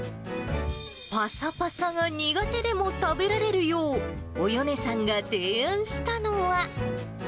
ぱさぱさが苦手でも食べられるよう、およねさんが提案したのは。